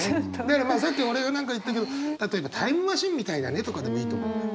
さっき俺が何か言ったけど例えば「タイムマシーンみたいだね」とかでもいいと思う。